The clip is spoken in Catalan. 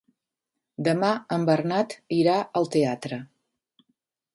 Demà en Bernat irà al teatre.